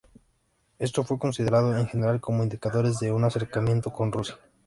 Esto fue considerado en general como indicadores de un acercamiento con Rusia.